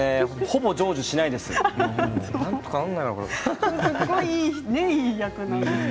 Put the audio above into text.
ほぼ成就しないです。